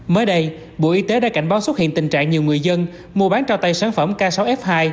mới đây bộ y tế đã cảnh báo xuất hiện tình trạng nhiều người dân mua bán trao tay sản phẩm k sáu f hai